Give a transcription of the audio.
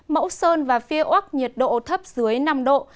mẫu sơn và phiêu ốc nhiệt độ thấp dưới năm độ